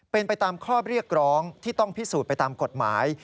เป็นไปตามข้อเรียกร้องที่ต้องพิสูจน์ไปตามกฎหมาย